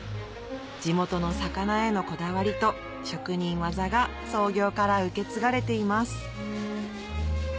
地元の魚へのこだわりと職人技が創業から受け継がれています